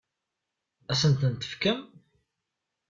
Ad asent-ten-tefkem?